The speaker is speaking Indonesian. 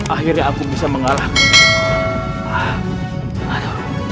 akhirnya aku bisa mengalahkan